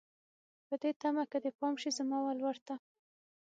په دې تمه که دې پام شي زما ولور ته